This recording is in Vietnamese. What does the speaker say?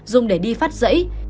dùng để đi phát rẫy